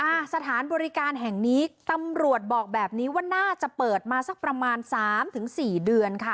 สถานบริการแห่งนี้ตำรวจบอกแบบนี้ว่าน่าจะเปิดมาสักประมาณสามถึงสี่เดือนค่ะ